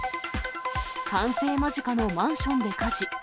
完成間近のマンションで火事。